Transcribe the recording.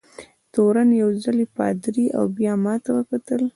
تورن یو ځلي پادري او بیا ما ته وکتل.